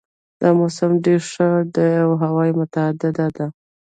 دا موسم ډېر ښه ده او هوا معتدله ده